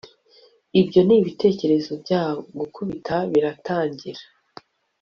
ibyo nibitekerezo byabo, gukubita biratangira